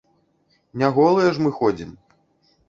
Не голыя ж мы ходзім.